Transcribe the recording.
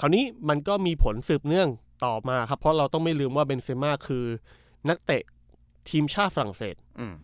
คราวนี้มันก็มีผลสืบเนื่องต่อมาครับเพราะเราต้องไม่ลืมว่าเบนเซมาคือนักเตะทีมชาติฝรั่งเศส